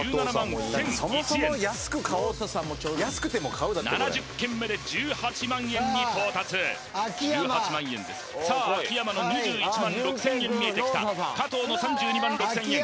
１７１００１円７０件目で１８万円に到達１８万円ですさあ秋山の２１６０００円見えてきた加藤の３２６０００円